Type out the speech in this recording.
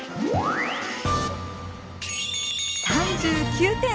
３９点。